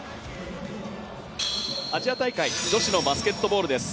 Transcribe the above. アジア大会女子のバスケットボールです。